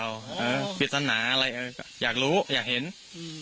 เออปริศนาอะไรเอออยากรู้อยากเห็นอืม